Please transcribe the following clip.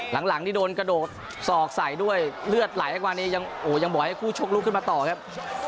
หลังนี่โดนกระโดดสอกใส่ด้วยเลือดไหลกว่านี้ยังโอ้โหยังบอกให้คู่ชกลุกขึ้นมาต่อครับ